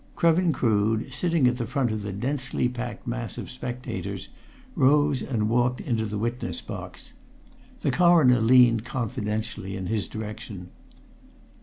Krevin Crood, sitting at the front of the densely packed mass of spectators, rose and walked into the witness box. The Coroner leaned confidentially in his direction.